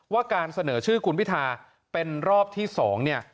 ว่าการเสนอชื่อคุณพิธาเป็นรอบที่๒